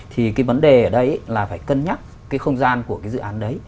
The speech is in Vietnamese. thì cái vấn đề ở đây là phải cân nhắc cái không gian của cái dự án đấy